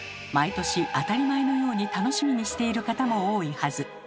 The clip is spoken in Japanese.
毎年当たり前のように楽しみにしている方も多いはず。